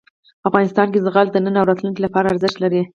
افغانستان کې زغال د نن او راتلونکي لپاره ارزښت لري.